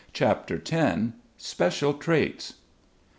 CHAPTER X. SPECIAL TRAITS.